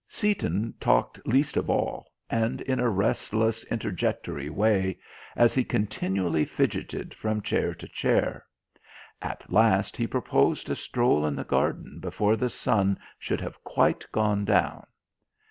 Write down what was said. Seaton talked least of all, and in a restless interjectory way, as he continually fidgeted from chair to chair. At last he proposed a stroll in the garden before the sun should have quite gone down.